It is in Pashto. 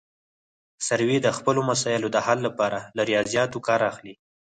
سروې د خپلو مسایلو د حل لپاره له ریاضیاتو کار اخلي